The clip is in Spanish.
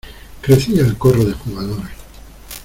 crecía el corro de jugadores.